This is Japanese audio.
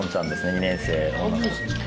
２年生。